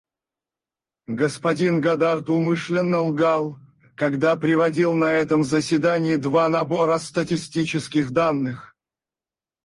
Господин Годард умышленно лгал, когда приводил на этом заседании два набора статистических данных.